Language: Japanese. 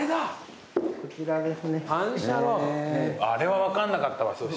あれは分かんなかったわ。